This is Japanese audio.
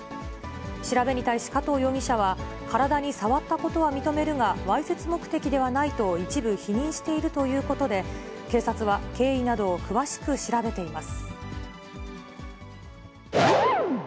調べに対し加藤容疑者は、体に触ったことは認めるが、わいせつ目的ではないと一部否認しているということで、警察は経緯などを詳しく調べています。